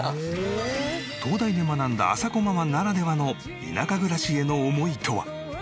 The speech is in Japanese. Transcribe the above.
東大で学んだあさこママならではの田舎暮らしへの思いとは？